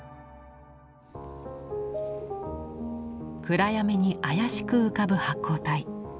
暗闇にあやしく浮かぶ発光体。